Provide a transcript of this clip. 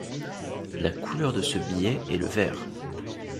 La couleur de ce billet est le vert.